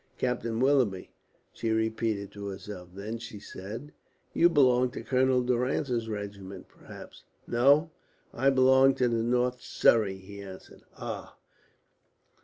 "Captain Willoughby," she repeated to herself. Then she said: "You belong to Colonel Durrance's regiment, perhaps?" "No, I belong to the North Surrey," he answered. "Ah!